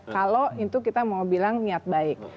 kalau itu kita mau bilang niat baik